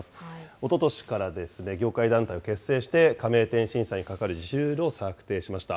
おととしからですね、業界団体を結成して、加盟店審査に係る自主ルールを策定しました。